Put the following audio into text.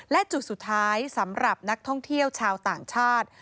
และจุดสุดท้ายสำหรับนักท่องเที่ยวชาวต่างชาติ